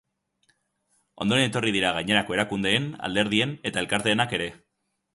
Ondoren etorri dira gainerako erakundeen, alderdien eta elkarteenak ere.